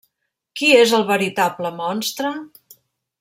Qui és el veritable monstre?